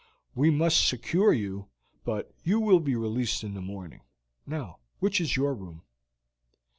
We must secure you, but you will be released in the morning. Now, which is your room?"